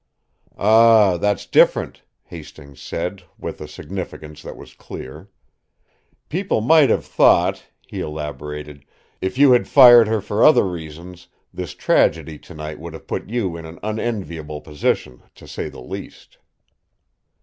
"Ah, that's different," Hastings said, with a significance that was clear. "People might have thought," he elaborated, "if you had fired her for other reasons, this tragedy tonight would have put you in an unenviable position to say the least."